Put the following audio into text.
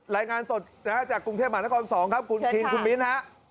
รายงานสดจากกรุงเทพหมารกร๒ครับคุณคริงคุณมิ้นท์